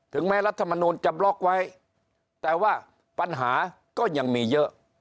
แม้รัฐมนูลจะบล็อกไว้แต่ว่าปัญหาก็ยังมีเยอะ